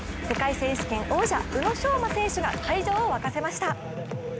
世界選手権王者、宇野昌磨選手が会場を沸かせました。